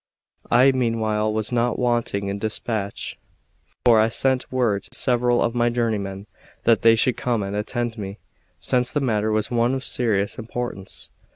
I meanwhile was not wanting in despatch, for I sent word to several of my journeymen that they should come and attend me, since the matter was one of serious importance.